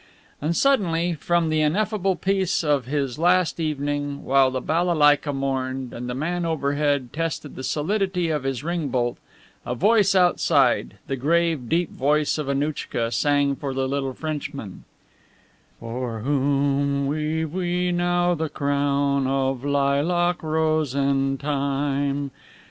And suddenly from the ineffable peace of his last evening, while the balalaika mourned and the man overhead tested the solidity of his ring bolt, a voice outside, the grave, deep voice of Annouchka, sang for the little Frenchman: "For whom weave we now the crown Of lilac, rose and thyme?